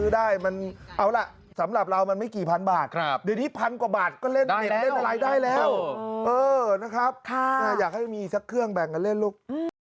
ได้แล้วได้แล้วเออนะครับค่ะอยากให้มีสักเครื่องแบ่งกันเล่นลูก